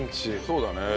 そうだね。